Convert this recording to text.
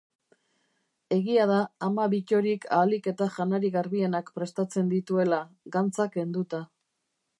Egia da ama Bittorik ahalik eta janari garbienak prestatzen dituela, gantza kenduta.